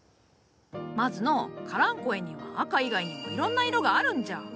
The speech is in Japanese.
まずのうカランコエには赤以外にもいろんな色があるんじゃ。